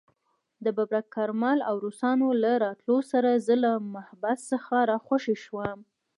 د ببرک کارمل او روسانو له راتلو سره زه له محبس څخه راخوشي شوم.